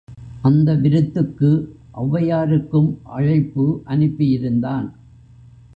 அந்த விருத்துக்கு ஒளவையாருக்கும் அழைப்பு அனுப்பியிருந்தான்.